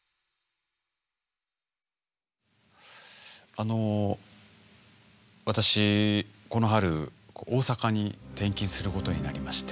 あの私この春大阪に転勤することになりまして。